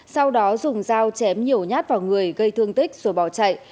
sau đó dùng dao chém nhiều nhát vào người gây thương tích rồi bỏ chạy